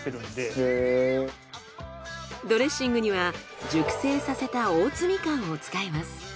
ドレッシングには熟成させた大津みかんを使います。